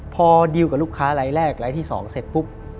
พอดิวกับลูกค้ารายแรกรายที่๒เสร็จปุ๊บ